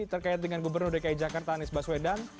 terkait dengan gubernur dki jakarta anies baswedan